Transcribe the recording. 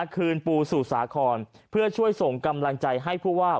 คืนปูสู่สาครเพื่อช่วยส่งกำลังใจให้ผู้ว่า